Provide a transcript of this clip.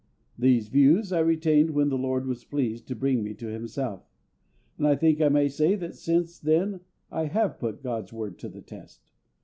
These views I retained when the LORD was pleased to bring me to Himself; and I think I may say that since then I have put GOD'S Word to the test.